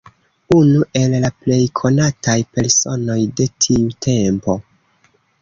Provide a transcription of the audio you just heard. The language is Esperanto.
Unu el la plej konataj personoj de tiu tempo.